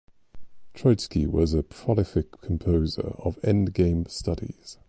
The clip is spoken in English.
Troitsky was a prolific composer of endgame studies.